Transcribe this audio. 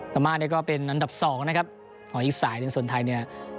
พัมมาเนี้ยก็เป็นอันดับสองนะครับออีกสายในส่วนไทยเนี้ย